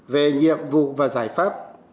về nhiệm vụ và giải pháp